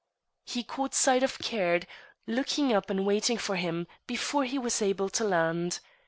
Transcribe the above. He caught sight of Caird, looking up and waiting for him, before he was able to land.